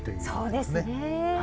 そうですね。